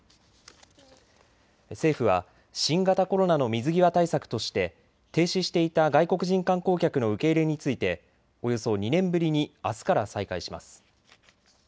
政府は新型コロナの水際対策として停止していた外国人観光客の受け入れについておよそ２年ぶりにあすから再開します。